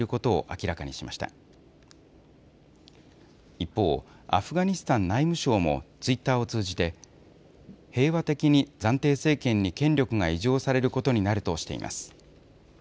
一方、アフガニスタン内務省もツイッターを通じて平和的に暫定政権に権力が移譲されることになるとしています。